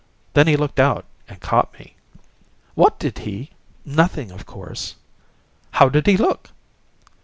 Then he looked out and caught me." "What did he " "Nothing, of course." "How did he look?"